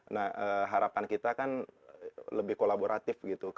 nah harapan kita kan lebih kolaboratif gitu